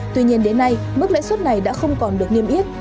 tuy nhiên đến nay mức lãi suất này đã không còn được niêm yết